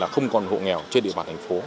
không còn hộ nghèo trên địa bàn thành phố